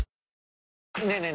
ねえねえ